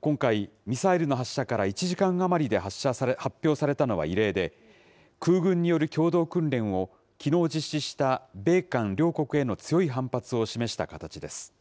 今回、ミサイルの発射から１時間余りで発表されたのは異例で、空軍による共同訓練をきのう実施した米韓両国への強い反発を示した形です。